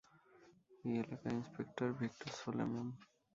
এই এলাকার inspector, Victor Solomon.